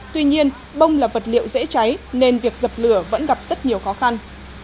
tuy nhiên bông là vật liệu dễ cháy nên việc dập lửa vẫn gặp rất nhiều khó khăn